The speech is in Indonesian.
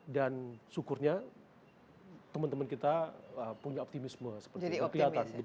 dan syukurnya teman teman kita punya optimisme seperti yang terlihat